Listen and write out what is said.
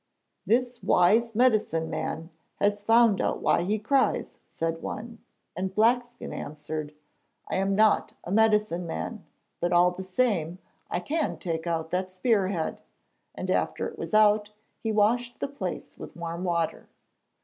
'This wise medicine man has found out why he cries,' said one; and Blackskin answered: 'I am not a medicine man, but all the same I can take out that spear head!' And after it was out, he washed the place with warm water.